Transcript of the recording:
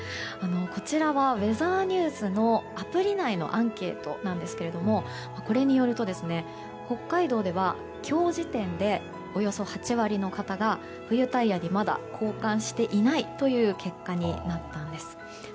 こちらはウェザーニューズのアプリ内のアンケートなんですがこれによると北海道では今日時点でおよそ８割の方が冬タイヤにまだ交換していないという結果になったんです。